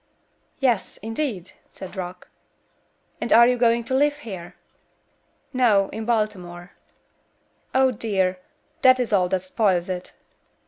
"Yes, indeed," said Rock. "And are you going to live here?" "No, in Baltimore." "Oh, dear, that is all that spoils it."